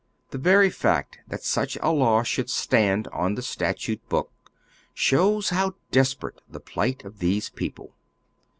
The very fact that such a law should stand on the statute hook, shows how desperate the plight of these people.